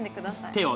手を？